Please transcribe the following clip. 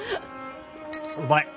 うまい。